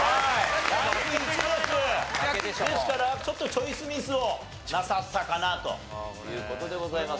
ですからちょっとチョイスミスをなさったかなという事でございます。